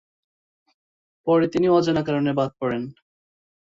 পরে তিনি অজানা কারণে বাদ পড়েন।